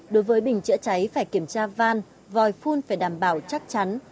đối với bình chữa cháy phải kiểm tra van vòi phun phải đảm bảo chắc chắn